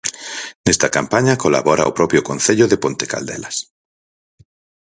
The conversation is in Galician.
Nesta campaña colabora o propio Concello de Ponte Caldelas.